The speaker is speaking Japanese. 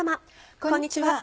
こんにちは。